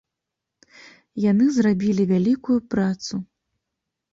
Яны зрабілі вялікую працу.